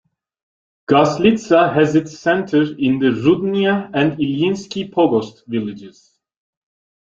Guslitsa has its center in the Rudnya and Ilyinsky Pogost villages.